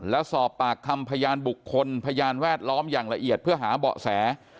แล้วสอบปากคำพยานบุคคลพยานแวดล้อมอย่างละเอียดเพื่อหาเบาะแส